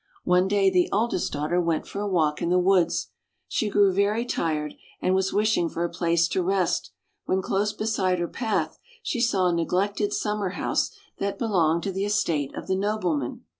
One day the eldest daughter went for a walk in the woods. She grew very tired, and was wishing for a place to rest, when close beside her path she saw a neglected summer house that belonged to the estate of the nobleman.